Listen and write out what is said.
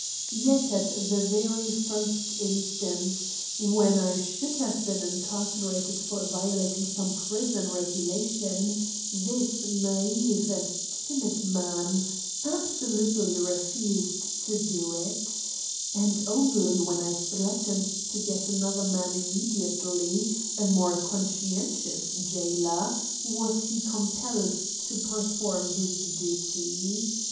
Yet at the very first instance, when I should have been incarcerated for violating some prison regulation, this naive and timid man absolutely refused to do it; and only when I threatened to get another man immediately, a more conscientious jailer, was he compelled to perform his duty.